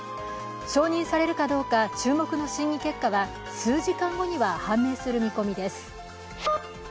承認されるかどうか注目の審議結果は数時間後には判明する見込みです。